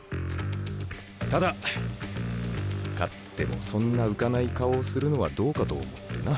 ただ勝ってもそんな浮かない顔をするのはどうかと思ってな。